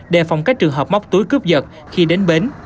để phòng cái trường hợp móc túi cướp vật khi đến bến